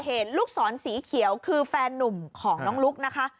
ลูกศรสีเขียวคือแฟนนุ่มของน้องลุ๊กนะคะ